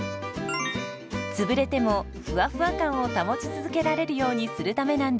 つぶれてもふわふわ感を保ち続けられるようにするためなんです。